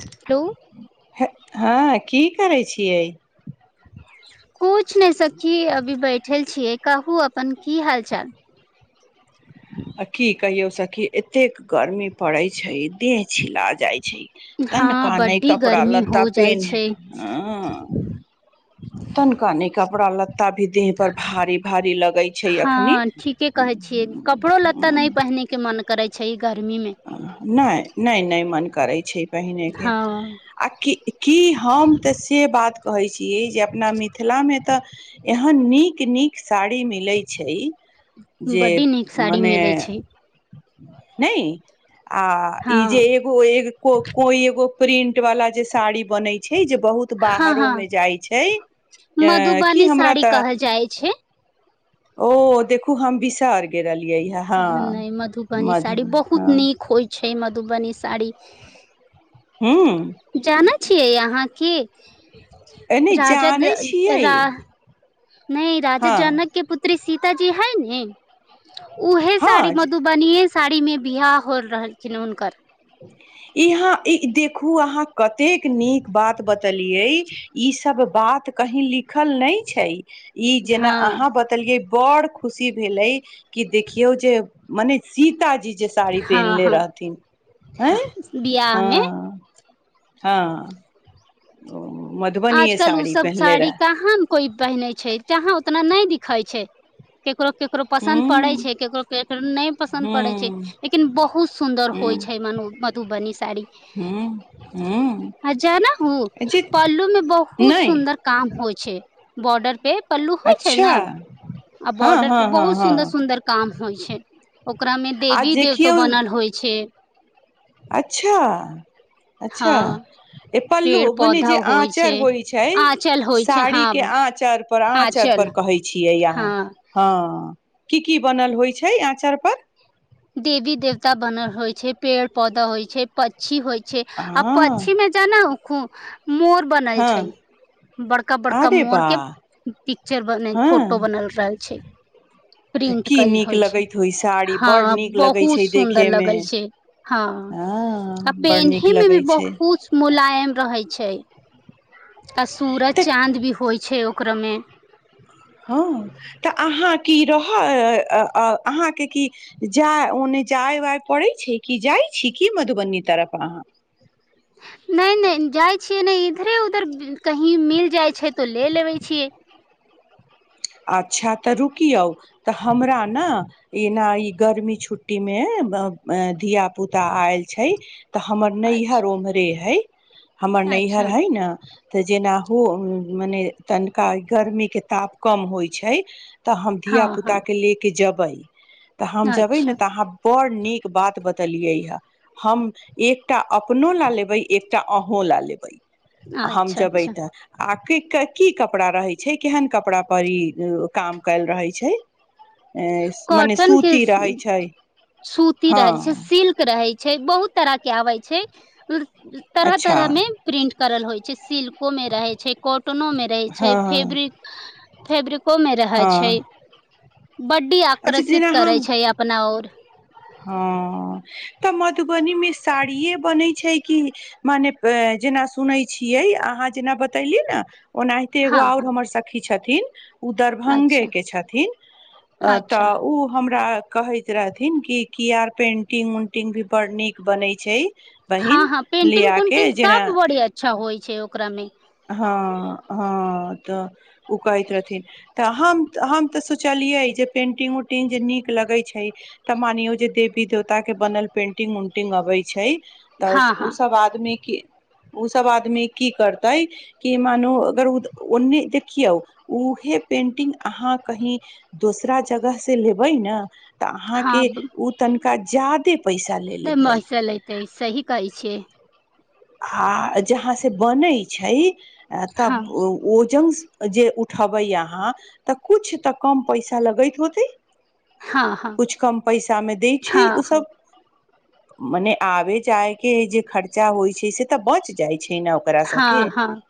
Hello [unintelligible] हँ की करै छियै कुछ नहि सखी अभी बैठल छियै कहू अपन की हाल चाल आ की कहियो सखी एतेक गर्मी पड़ै छै देह छिला जाय हँ तनिका नहि बड्डी कपड़ा गर्मी लत्ता हो जाइ पेन्ह छै ह तनिका ने कपड़ा लत्ता भी देहपर भारी भारी लगै छै एखनि हँ ठीके कहै छियै कपड़ो लत्ता नहि पहिने के मन करै छै गर्मी मे नहि नहि नहि मन करै छै पहिनेके हँ आकी की हम तऽ से बात कहै छी यै जे अपना मिथिलामे तऽ एहन नीक नीक साड़ी मिले छै जे बड्डी नीक साड़ी मने मिलै छै नहि आ ई हँ जे एगो एक्गो कोई एगो प्रिंट वाला जे साड़ी बनइ छै जे बहुत हँ बाहरो हँ मे जाई छै ए की मधुबनी हमरा साड़ी त कहल जाइ छै ओ देखू हम बिस [unintelligible] नहि मधुबनी मधुब साड़ी बहुत हँ नीक होइ छै ए मधुबनी साड़ी हूँ जानै छियै अहाँ की ए नहि जानै छियै नहि राजा हँ जनक के पुत्री सी सीताजी है ने ऊहे साड़ी हँ मधुबनीये से साड़ीमे बियाह होल रहलखिन हुनकर इहाँ इ देखू अहाँ कतेक नीक बात बतेलियै ई सब बात कहीं लिखल नहि छै ई जना हँ अहाँ बतैलियै बड़ खुशी भेलै कि देखियौ जे मने सी ताजी जे साड़ी पहिनले रहथिन अंय बिआह मे हँ मधुबनीये आजकल ओ साड़ी सब पहिनले साड़ी रहे कहाँ कोई पहने छै जहाँ उतना नहि दिखय छै केकरो केकरो पसन्द पड़य हूँ छै केकरो केकरो नहि पसन्द पड़य छै हूँ लेकिन बहुत सुन्दर होइ हूँ छै मन मधुबनी साड़ी हूँ हूँ आ जानहुं जे पललू में बहुत नहि सुन्दर काम होइ छै बॉर्डर पे पल्लू होइ छै अच्छा ने आ हँ बॉर्डर हँ पे हँ बहुत सुन्दर हँ सुंन्दर काम होइ छै ओकरा मे आ देवी देवताो देखियौ बनल होइ छै अच्छा अच्छा हँ पल्लू पेड़ मने पौधा जे होइ आँच र छै होइ छै आँचल होइ छै साड़ी हँ के आंचर पर आँचर आँचल पर कहै छियै अहाँ हँ हँ की की बनल होइ छै आँचरपर देवी देवता बनल होइ छै पेड़ पौधा होइ छै पक्षी होइ छै आ हँ पछीमे जाना खूं मोर बनल हँ छै बड़का बड़का अरे मोर के वाह पिक्चर बने फोटो हँ बनल रहय छै तऽ प्रिंट की कल नीक होइ छै लगैत होय साड़ी हँ बड़ नीक लगै बहुत छै सुन्दर देखे मे लगय छै हँ हँ आ बड़ नीक पेहनहैमे भी लगै छै बहुत मुलायम रहय छै आ सूरज तऽ चाँद भी होइ छै ओ क्रमे हँ तऽ अहाँ कि रह अहाँके कि जा ओने जाय वाय पड़य छै कि जाइ छी कि मधुबनी तरफ अहाँ नहि नहि जाइ छियै ने इधरे उधर कहीं मिल जाइ छै तो ले लेबे छियै अच्छा तऽ रुकियौ तऽ हमरा ने एना गर्मी छुट्टीमे धिया पूता आयल छै तऽ हमर अच्छा नैहर ओम्हरे है हमर अच्छा नैहर हइ ने तऽ जेना हो मने तनिका गर्मीके ताप कम होइ छैय तऽ हम हँ धिया हँ पुता के ले के जब बइ [unintelligible] तऽ हम जबय ने अच्छा तऽ अहाँ बड़ नीक बात ब तलियै हं हम एकटा अपनो लऽ लेबय एकटा अहूँ लए लेबै हम अच्छा जेबय अच्छा तऽ आ कीक् की कपड़ा रहे छै केहन कपड़ा पर ई काम कयल रहय छै मने सूती रहै कॉटनकें छै सूती हँ रहय छै सिल्क रहय छै बहुत तरह के आबय छै [unintelligible] तरह अच्छा तरह में प्रिंट करल होइ च्छा सिल्क को मे रहय छै कॉटनो मे रहय छै हँ फेब्रिक फेब्रिक को मे रहय छै हँ बड्डी अच्छा आकर्षित जेना करे हम छै अपना ओर हँ तऽ मधुबनीमे साड़िए बनय छै कि माने जेना सुनय छियै अहाँ जेना बतैली न ओनाहिते एगो हँ आओर हँ हमर सखी छथि थिन ओ दरभंगे अच्छा के छथिन अच्छा तऽ ओ हमरा कहैत रहथिन कि की आर पेंटिंग उंटिंग भी बड नीक बनय छै हँ बहिन हँ पेंटिंग लिया के कुंटिंग जेना सब बड़ी अच्छा होइ छै ओकरामे हँ हँ तऽ ओ कहैत रहथिन तऽ हम हम तऽ सोचलियै जे पेंटिंग उंटिंग जे नीक लगै छै तऽ मानियौ जे देवी देवताके बनल पेन्टिंग उंटिंग आबै छै तऽ हँ ऊ हँ सब आदमी कि ओ सब आदमी की कर तै कि मानू अगर ओन्ने देखियौ उहे पेन्टिंग अहाँ कहीँ दोसरा जगहसँ लेबै न तऽ अहाँके ओ तन क जादे पैसा ले नहि लेतै मैसलेतै सही कहै छियै [unintelligible] हँ जहाँ से बनै छैय अ हँ तब ओजन जे उठबै अहाँ तऽ कुछ तऽ कम पैसा लगैत हो तै हँ हँ कुछ कम पैसामे दै छै हँ ऊ हँ सभ मने आबे जाय के जे खर्चा होई से तऽ बच जाइ छे न ओकरा सबके हँ हँ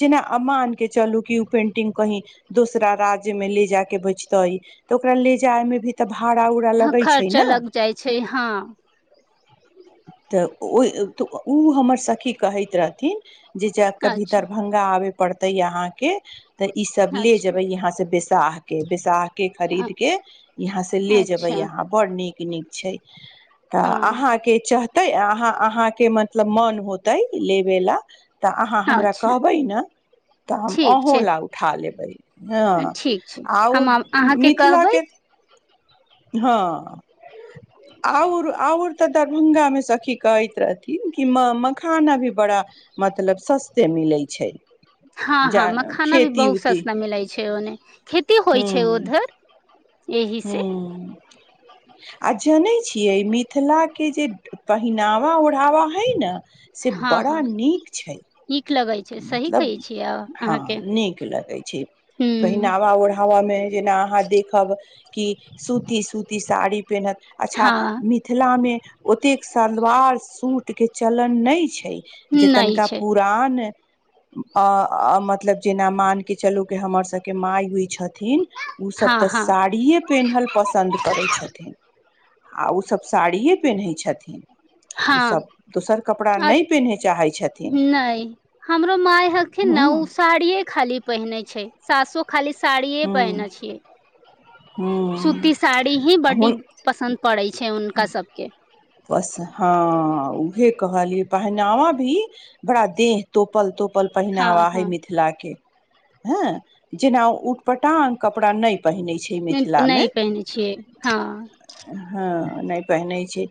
जेना मानके चलू कि ओ पेन्टिंग कही दोसरा राज्यमे ले जायके बचतै तऽ ओकरा ले जायमे भी तऽ भाड़ा उड़ा लगै छै खर्चा ने लग जाइ छै हाँ तऽ ओहि तऽ उ हमर सखी कहैत रहथिन जे जब कभी अच्छा दरभंगा आबे पड़तै अहाँके तऽ इ सब ले अच्छा जेबे इहाँ से बेसी तऽ अहाँके विसाख के खरीद के यहाँ से ले जेबै अच्छा यहाँ बड़ नीक पिनिक छै तऽ हँ अहाँके कहतै अहाँके मतलब मन होतै लेबे ला तऽ अहाँ हमरा अच्छा कहबै ने तऽ हम ठीक आहों छै ला उठा लेब बै हँ ठीक छै आओर हम अहाँके कहबै मिथिलाके हँ आउर आउर तऽ दर दरभंगा मे सखी कहैत रहथिन कि मखाना अभी बड़ा मतलब सस्ते मिलै छै हाँ हाँ जान मखान अभी खेती बहुत उती सस्ता मिलै छै ओने खेती होइ छै उधर एहि से ह्म आ जनै छियै मिथिलाके जे पहिनावा ओढ़ावा हइ ने से हँ बड़ा हँ नीक छै नीक लगै छै सही मतलब कहै छियै हँ अहाँके नीक लगै छै हूँ पहिनावा ओढ़ावामे जेना अहाँ देखब की सूती सूती साड़ी पेहनत अच्छा हँ मिथिलामे ओतेक सलवार सूट के चलन नहि छै जे नहि तनिका छै पुरान अ अ मतलब जेना मानिके चलू कि हमर सभके माय होइ छथिन ओसभ हँ तऽ हँ साड़िये पेन्हल पसन्द करैत छथिन आ ओसभ साड़िए पहिनै छथिन ओ सब हँ दोसर कपड़ा नहि पहिनै चाहै छथिन नहि हमरो माय हखिन ने हँ ओ साड़िये खाली पहिनै छै सासु खाली साड़िये हँ पहिने छियै हँ सूती साड़ी ही बड्डी हुन पसन्द पड़ै छै हुनका सबके बस हँ उहे कहलिए पहनावा भी बड़ा देह तोपल तोपल पल हँ पहिनावा हइ हँ मिथिलाके हँ जेना उटपटांग कपड़ा नहि पहिनै छै मिथिला मे नहि पहिनै छियै हँ हँ नहि पहिनै छै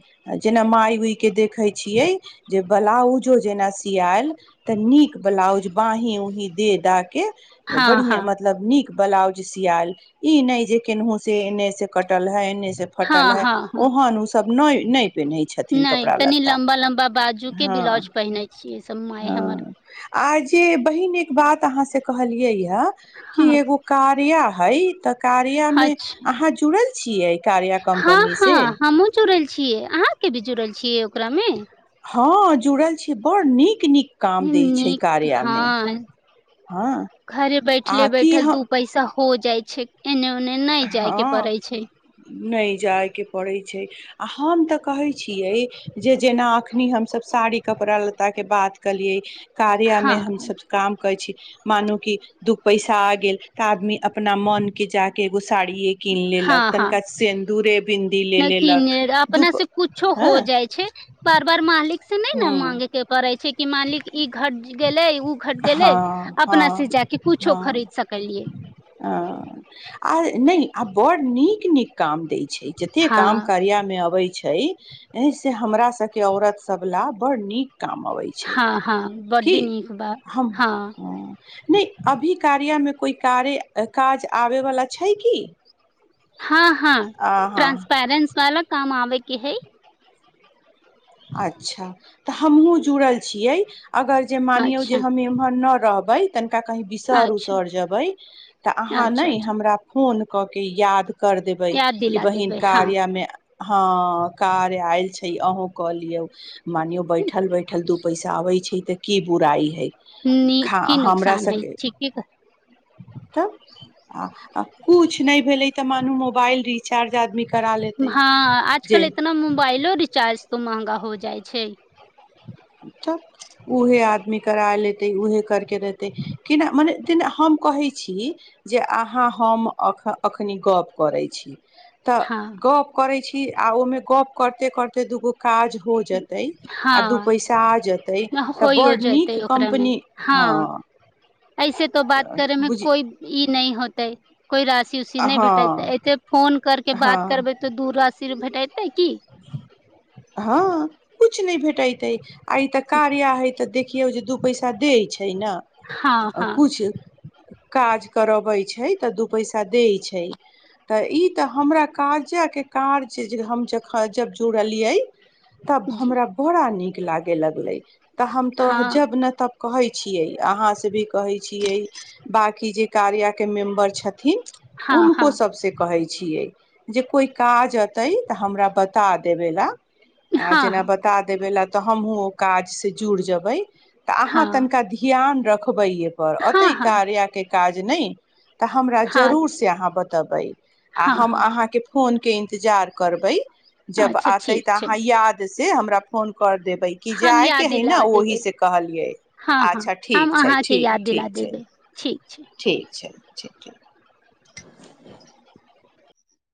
जेना माय उइके देखै छियै जे ब्लाउजो जेना सियाएल तऽ नीक बलाउज बाँहि उंहि दे डाक हँ बढिया हँ मतलब नीक ब्लाउज सियाल ई नहि जे केनहु से एने से कटल है एने से हँ फटल है हँ हँ ओहन उ सब नहि नहि पेन्है छथिन नहि कपड़ा तनी लत्ता लम्बा लम्बा बाजू के हँ ब्लाउज पहिनेै छियै सब माय हमर हँ आ जे बहिन एक बात अहा से कहलिये य कि हँ एगो कार्या हइ तऽ कार्या मे अच्छा अहाँ जुड़ल छियै कार्या कम्पनी से ह हमहु जुड़ल छी छी अहाँ के भी जुड़ल छियै ओकरा मे हँ जुड़ल छी बड़ नीक नीक काम दै छैय नीक कार्यमे हँ हँ घरे बैठले आ की बैठल हम दू पैसा हो जाइ छैय हँ नई जायके पड़ै छैय हम तऽ कहै छियै जे जेना एखनी हमसभ साड़ी कपड़ा लत्ताके बात कलियै कार्या हँ मे हमसब काम करै छी मानू की दू पैसा आ गेल तऽ आदमी अपना मन के जाक के हां हां सेन्दूरे बिन्दी ले नई किने लेलक दू अपना से कुछो हो हँ जाइ छैय बार बार मालिक से नई ने मांगे के पड़ै छैय कि मालिक ई घट गेलै ओ घट गेलै हँ हँ अपना से जाक कुछो हँ खरीद सकलियै हँ आ नई आ बड़ नीक नीक काम दै छैय जते हँ काम कार्यामे अबै छैय छै एहिसँ हमरा सबके औरत सब ला बड़ नीक काम अबै छैय हँ हँ की बड्डी नीक बा हम हँ हं नैइ अभी कार्या में कोई कारे काज आबे वाला छैई की हां हां अहाँ ट्रांसपैरेंस वाला काम आबेक कि हइ अच्छा तऽ हमहूँ जुड़ल छियै अगर जे मानियो जे अच्छा हम एम्हर न रहबै तन कंही बिसैर अच्छा उसैर जबै तो आहां न अच्छा अच्छा हमरा फोन क क के याद कर देबै याद कि दिला बहिन देबै हँ कार्या में हँ कार्य आयल छैय अंहू कऽ लियौ मानियो बैठल बैठल दू पैसा आबै छैय तऽ की बुराइ हैइ नी की नुकसान हैई ठिके कह त कुछ नई भेलै तऽ मानू मोबाइल रिचार्ज आदमी करा लेतै हां जे आजकल इतना मोबाइलो रिचार्ज तो महंगा हो जाइ छैय। [inaudible] तब उहे आ आदमी करा लेतै उहे करिके देतै केना मने तेना हम कहैत छी जे अहाँ हम अखनी गप करै छी तऽ हँ गप करै छी आ ओहिमे गप करते करते दूगो काज हो जतै हाँ बड़ होइयो नीक जेतै ओकरा मे कम्पनी हाँ हँ ऐसे त बात तऽ करे मे बुझि कोइ ई नहि होतइ कोई राशि उशि नहि हँ भेटेत ऐते फोन कर के बात करबे तो दूर राशि भेटत तै की हाँ कुछ नहि भेटैत यै आइ तऽ कार्या हय ते देख केउ जे दू पैसा देय छैय छै ने हँ हँ कुछ काज करबै छैय तऽ दू पैसा दैत छैय तऽ ई तऽ हमरा कार्या के कर्ज जे हम ख जब जुड़लियै तब जी हमरा बड़ा नीक लागे लगलै तऽ हम तो हँ जब ने तब कहै छियै अहाँसँ भी कहै छियै बांकी जे कार्या के मेम्बर छथिन हँ हुनको हँ सबसे कहैत छियै जे कोई काज अतई त हमरा बता देबेला आ हँ जेना हँ बता देबै ला तऽ हमहुं ओ काज से जुड़ जबै तऽ अहाँ हँ तनिका ध्यान रख रखबैए एपर हँ अतई कार्या के काज नहि तऽ हमरा हँ जरूर से अहाँ बतेबै आ हँ हँ हम हँ अहाँके फोन के इन्तजार करबै। जब अच्छा आतै ठीक त छै अहाँ याद से हमरा फोन कर देबै कि हम जाइके याद हइ न दिला देबै ओहिसे कहलियै हँ हँ अच्छा हम ठीक छैय अहाँके ठीक याद ठीक दिला छैय देबै ठीक छै ठीक छैय। [inaudible] [inaudible]